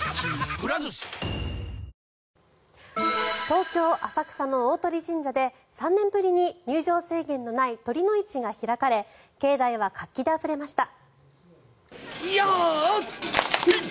東京・浅草の鷲神社で３年ぶりに入場制限のない酉の市が開かれ境内は活気であふれました。